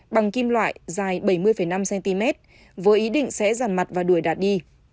bằng kim loại dài bảy mươi năm cm với ý định sẽ ràn mặt và đuổi đạt đi